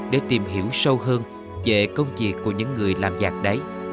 để tìm hiểu sâu hơn về công việc của những người làm dạng đáy